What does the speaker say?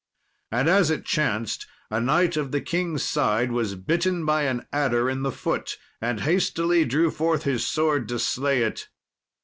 And as it chanced, a knight of the king's side was bitten by an adder in the foot, and hastily drew forth his sword to slay it.